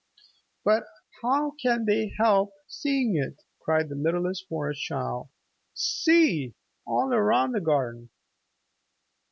"But how can they help seeing it?" cried the littlest Forest Child. "See, all around the garden!"